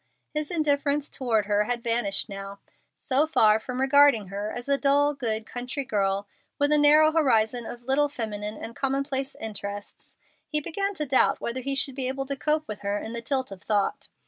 His indifference toward her had vanished now. So far from regarding her as a dull, good, country girl with a narrow horizon of little feminine and commonplace interests, he began to doubt whether he should be able to cope with her in the tilt of thought.